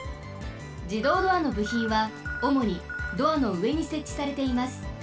じどうドアのぶひんはおもにドアのうえにせっちされています。